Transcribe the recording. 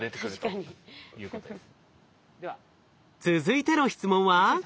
続いての質問は？